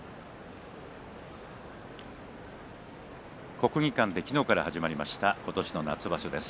国技館で昨日から始まりました、今年の夏場所です。